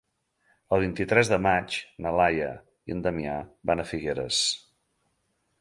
El vint-i-tres de maig na Laia i en Damià van a Figueres.